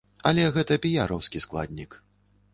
Але гэта піяраўскі складнік.